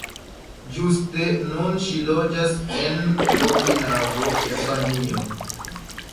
Ĝuste nun ŝi loĝas en Okinavo, Japanio.